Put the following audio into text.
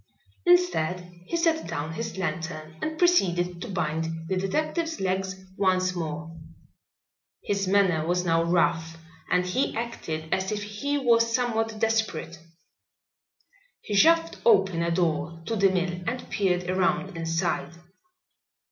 Instead, he set down his lantern and proceeded to bind the detective's legs once more. His manner was now rough and he acted as if he was somewhat desperate. He shoved open a door to the mill and peered around inside.